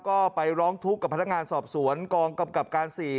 ก็ไปร้องทุกข์กับพนักงานสอบสวนกองกำกับการ๔